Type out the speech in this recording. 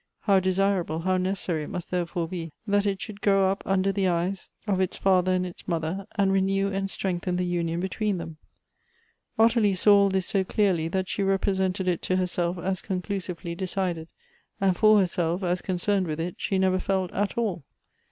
How desirable, how necessary it must therefore be, that it should grow up under the eyes of its Elective Affinities. 239 father and its mother, and renew and strengthen the union between them ! Ottilia saw all this so clearly, that she represented it to herself as conclusively decided, and for herself, as con cerned with it, she never felt at all.